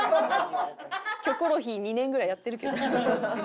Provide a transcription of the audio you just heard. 『キョコロヒー』２年ぐらいやってるけど。